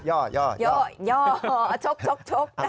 ย่อย่อย่อย่อย่อย่อชกชกชกนะฮะ